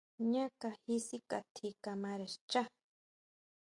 Ñee kaji síkʼatji kamare xchá.